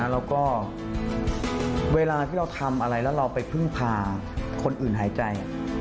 แล้วก็เวลาที่เราทำอะไรแล้วเราไปพึ่งพาคนอื่นหายใจ